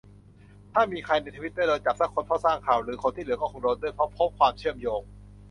ถ้ามีใครในทวิตเตอร์โดนจับซักคน เพราะสร้างข่าวลือ คนที่เหลือก็คงโดนด้วย เพราะพบ"ความเชื่อมโยง"